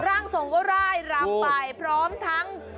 ร่างทรงก็ร่ายรำไปพร้อมทั้ง